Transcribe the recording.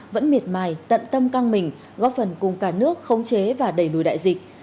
vẫn miệt mài tận tâm căng mình góp phần cùng cả nước khống chế và đẩy lùi đại dịch